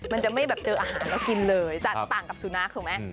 มันจะไม่แบบเจออาหารเรากินเลยจะต่างกับสุนัขถูกไหม